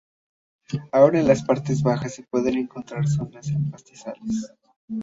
Aun en las partes bajas se pueden encontrar zonas de pastizales.